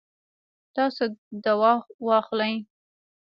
تاسو دوا واخلئ